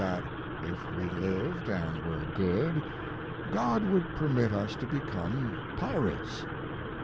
that if we lived and were good, God would permit us to become pirates.